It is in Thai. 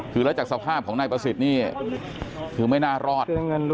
คือแล้วจากสภาพของนายประสิทธิ์นี่คือไม่น่ารอด